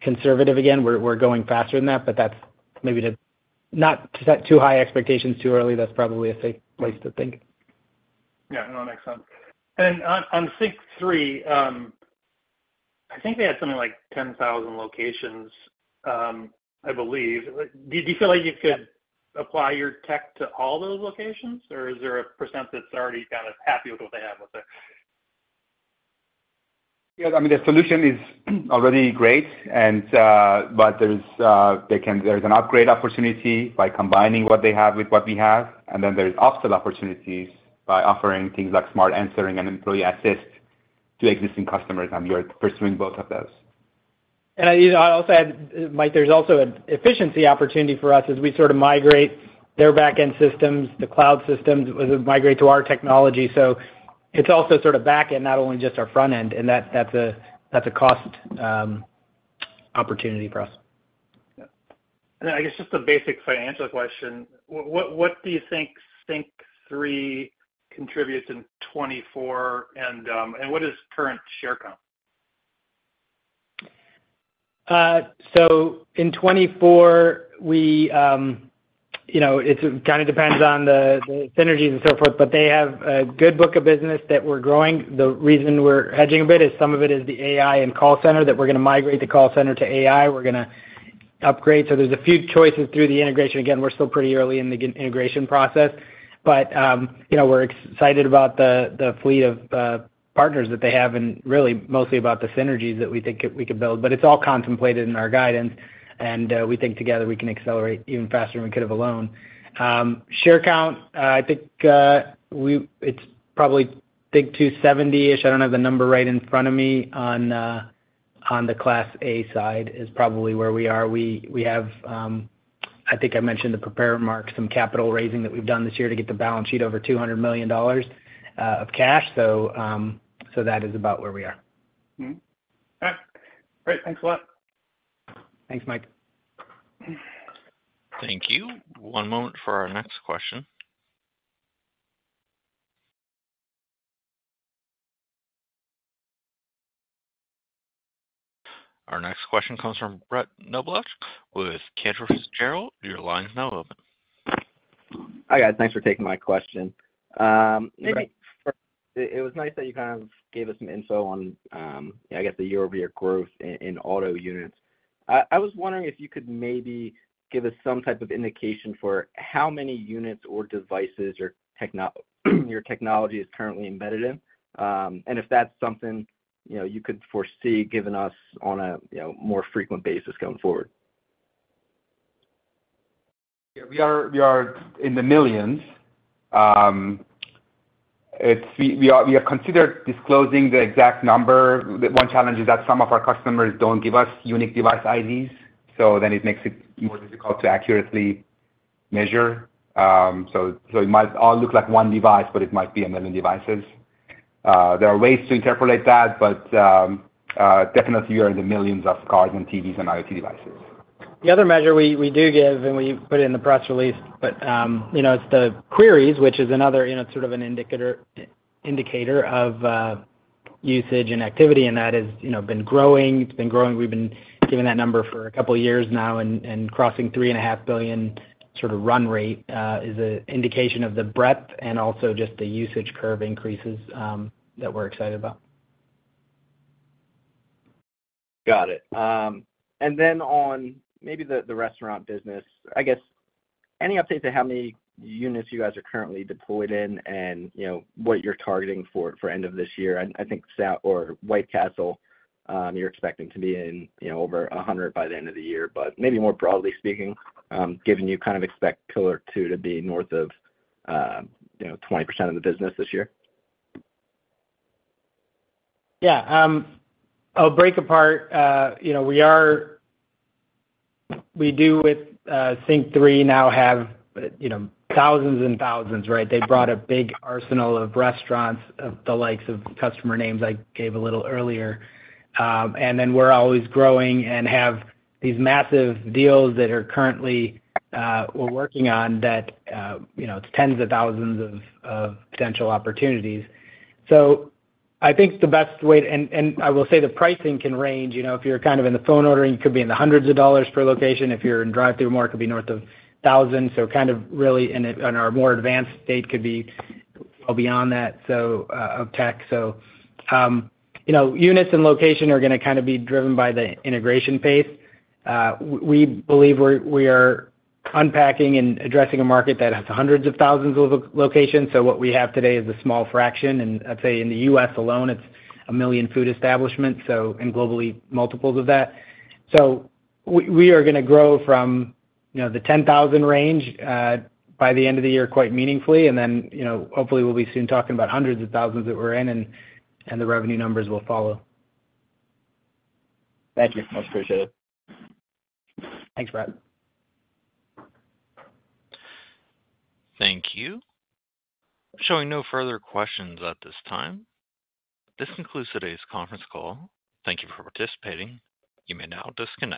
conservative. Again, we're going faster than that, but that's maybe to not set too high expectations too early. That's probably a safe place to think. Yeah. No, it makes sense. And then on SYNQ3, I think they had something like 10,000 locations, I believe. Do you feel like you could apply your tech to all those locations, or is there a percent that's already kind of happy with what they have with it? Yeah. I mean, the solution is already great, but there's an upgrade opportunity by combining what they have with what we have. And then there's offset opportunities by offering things like Smart Answering and Employee Assist to existing customers. And we are pursuing both of those. And I'll say, Mike, there's also an efficiency opportunity for us as we sort of migrate their backend systems, the cloud systems, migrate to our technology. So it's also sort of backend, not only just our frontend. And that's a cost opportunity for us. Yeah. And I guess just a basic financial question, what do you think SYNQ3 contributes in 2024, and what is current share count? So in 2024, it kind of depends on the synergies and so forth, but they have a good book of business that we're growing. The reason we're hedging a bit is some of it is the AI and call center that we're going to migrate the call center to AI. We're going to upgrade. So there's a few choices through the integration. Again, we're still pretty early in the integration process, but we're excited about the fleet of partners that they have and really mostly about the synergies that we think we could build. But it's all contemplated in our guidance, and we think together, we can accelerate even faster than we could have alone. Share count, I think it's probably, I think, 270-ish. I don't have the number right in front of me. On the class A side is probably where we are. We have, I think I mentioned the prepared remarks, some capital raising that we've done this year to get the balance sheet over $200 million of cash. So that is about where we are. All right. Great. Thanks a lot. Thanks, Mike. Thank you. One moment for our next question. Our next question comes from Brett Knoblauch with Cantor Fitzgerald. Your line's now open. Hi, guys. Thanks for taking my question. It was nice that you kind of gave us some info on, I guess, the year-over-year growth in auto units. I was wondering if you could maybe give us some type of indication for how many units or devices your technology is currently embedded in and if that's something you could foresee giving us on a more frequent basis going forward. Yeah. We are in the millions. We are considering disclosing the exact number. One challenge is that some of our customers don't give us unique device IDs, so then it makes it more difficult to accurately measure. So it might all look like one device, but it might be 1 million devices. There are ways to interpolate that, but definitely, we are in the millions of cars and TVs and IoT devices. The other measure we do give, and we put it in the press release, but it's the queries, which is another sort of an indicator of usage and activity. That has been growing. It's been growing. We've been giving that number for a couple of years now, and crossing 3.5 billion sort of run rate is an indication of the breadth and also just the usage curve increases that we're excited about. Got it. And then on maybe the restaurant business, I guess, any update to how many units you guys are currently deployed in and what you're targeting for end of this year? I think White Castle, you're expecting to be in over 100 by the end of the year. But maybe more broadly speaking, given you kind of expect pillar two to be north of 20% of the business this year? Yeah. I'll break apart. We do with SYNQ3 now have thousands and thousands, right? They brought a big arsenal of restaurants of the likes of customer names I gave a little earlier. Then we're always growing and have these massive deals that we're working on that it's tens of thousands of potential opportunities. So I think the best way to and I will say the pricing can range. If you're kind of in the phone ordering, it could be in the hundreds of dollars per location. If you're in drive-through more, it could be north of $1,000. So kind of really in our more advanced state could be well beyond that of tech. So units and location are going to kind of be driven by the integration pace. We believe we are unpacking and addressing a market that has hundreds of thousands of locations. So what we have today is a small fraction. And I'd say in the U.S. alone, it's 1 million food establishments, so and globally, multiples of that. So we are going to grow from the 10,000 range by the end of the year quite meaningfully. And then hopefully, we'll be soon talking about hundreds of thousands that we're in, and the revenue numbers will follow. Thank you. Much appreciated. Thanks, Brett. Thank you. Showing no further questions at this time. This concludes today's conference call. Thank you for participating. You may now disconnect.